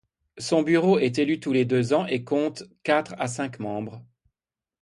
Son bureau est élu tous les deux ans et compte quatre à cinq membres.